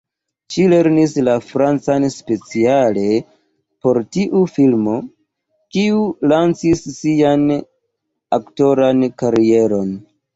Ŝi lernis la francan speciale por tiu filmo, kiu lanĉis ŝian aktoran karieron.